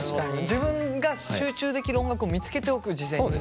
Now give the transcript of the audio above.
自分が集中できる音楽を見つけておく事前に。